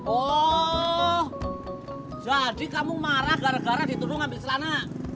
oh jadi kamu marah gara gara diturunkan ambil selana